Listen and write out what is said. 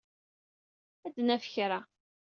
Ad d-naf kra.